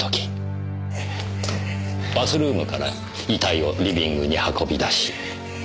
バスルームから遺体をリビングに運び出し。